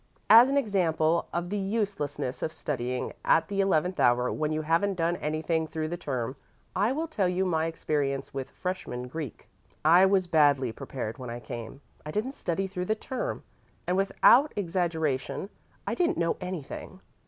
"As an example of the uselessness of studying at the eleventh hour when you haven't done anything through the term, I will tell you my experience with freshman Greek. I was badly prepared when I came, I didn't study through the term, and, without exaggeration, I didn't know anything.